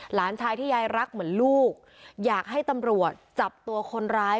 หลานชายที่ยายรักเหมือนลูกอยากให้ตำรวจจับตัวคนร้าย